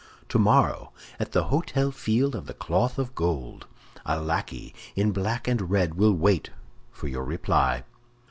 Tomorrow, at the Hôtel Field of the Cloth of Gold, a lackey in black and red will wait for your reply."